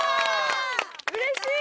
うれしい！